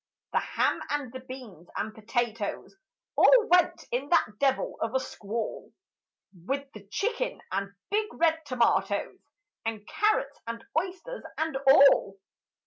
The ham and the beans and potatoes All went in that devil of a squall, With the chicken and big red tomatoes, And carrots and oysters and all.